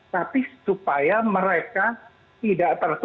tapi supaya mereka tidak tertutup